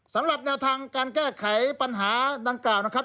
สำหรับแนวทางการแก้ไขปัญหาดังกล่าวนะครับ